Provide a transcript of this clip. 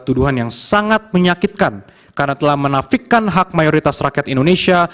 tuduhan yang sangat menyakitkan karena telah menafikan hak mayoritas rakyat indonesia